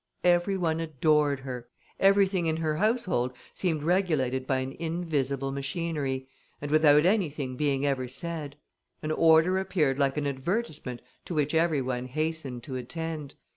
Every one adored her; everything in her household seemed regulated by an invisible machinery, and without anything being ever said; an order appeared like an advertisement to which every one hastened to attend.